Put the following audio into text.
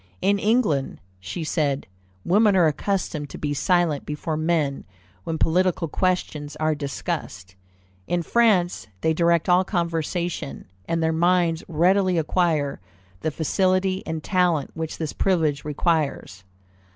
"In England," she said, "women are accustomed to be silent before men when political questions are discussed. In France, they direct all conversation, and their minds readily acquire the facility and talent which this privilege requires."